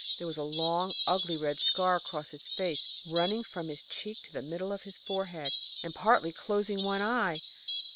There was a long, ugly red scar across his face, running from his cheek to the middle of his forehead, and partly closing one eye.